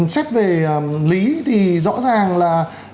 xét về lý thì rõ ràng là